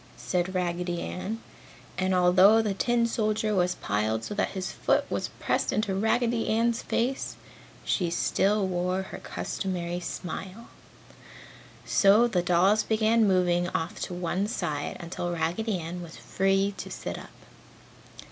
said Raggedy Ann. And although the tin soldier was piled so that his foot was pressed into Raggedy's face, she still wore her customary smile. So the dolls began moving off to one side until Raggedy Ann was free to sit up.